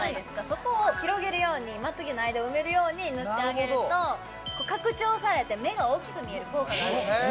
そこを広げるようにまつげの間を埋めるように塗ってあげると拡張されて目が大きく見える効果があるんですよ